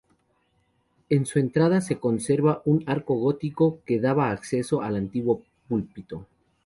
En su entrada se conserva un arco gótico que daba acceso al antiguo púlpito.